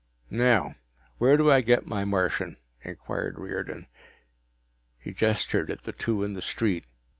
"Now, where do I get my Martian?" inquired Riordan. He gestured at the two in the street.